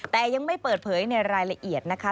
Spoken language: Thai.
แต่ยังไม่เปิดเผยในรายละเอียดนะคะ